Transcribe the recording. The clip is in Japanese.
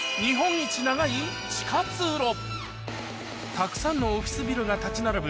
たくさんのオフィスビルが立ち並ぶ